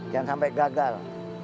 jangan sampai gagal